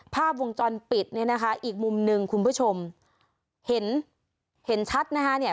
ภาพวงจรปิดเนี่ยนะคะอีกมุมหนึ่งคุณผู้ชมเห็นเห็นชัดนะคะเนี่ย